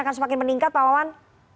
akan semakin meningkat pak wawan